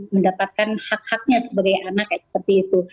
mendapatkan hak haknya sebagai anak seperti itu